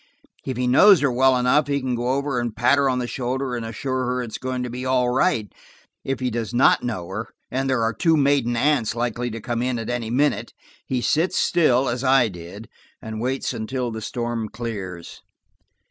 If he knows her well enough he can go over and pat her on the shoulder and assure her it is going to be all right. If he does not know her, and there are two maiden aunts likely to come in at any minute, he sits still, as I did, and waits until the storm clears.